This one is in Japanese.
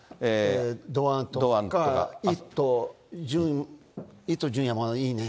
堂安とか、伊東純也もいいね。